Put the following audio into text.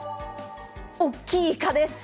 おっきいイカです。